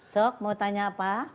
sok mau tanya apa